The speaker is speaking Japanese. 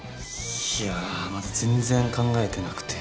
いやまだ全然考えてなくて。